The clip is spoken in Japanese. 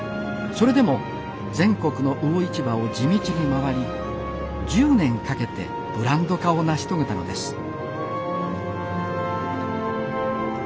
それでも全国の魚市場を地道に回り１０年かけてブランド化を成し遂げたのです